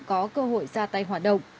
có cơ hội ra tay hoạt động